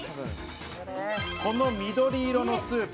この緑色のスープ。